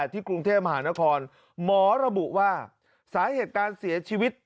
ที่กรุงเทพมหานครหมอระบุว่าสาเหตุการเสียชีวิต